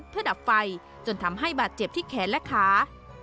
เพื่อดับไฟจนทำให้บาดเจ็บที่แขนและขา